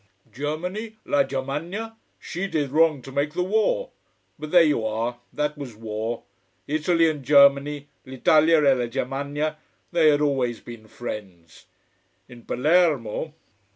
Germany La Germania she did wrong to make the war. But there you are, that was war. Italy and Germany l'Italia e la Germania they had always been friends. In Palermo....